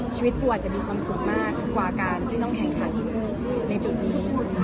ชีวิตปูอาจจะมีความสุขมากกว่าการที่ต้องแข่งขันในจุดนี้